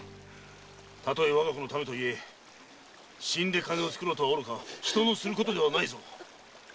たとえ我が子のためといえ死んで金をつくろうとは愚か人のすることではないぞ。